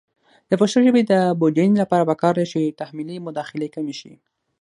د پښتو ژبې د بډاینې لپاره پکار ده چې تحمیلي مداخلې کمې شي.